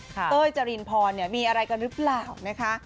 เต้ยจริงพอน์เนี่ยมีอะไรกันรึเปล่านะคะ